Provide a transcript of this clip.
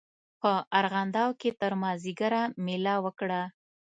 په ارغنداو کې تر مازیګره مېله وکړه.